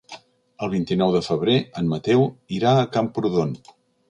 El vint-i-nou de febrer en Mateu irà a Camprodon.